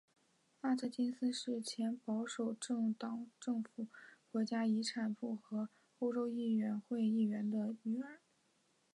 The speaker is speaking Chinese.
阿特金斯是前保守党政府国家遗产部和欧洲议会议员的女儿。